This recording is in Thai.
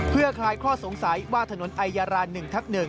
เพื่อคลายข้อสงสัยว่าถนนไอยาราน๑ทับ๑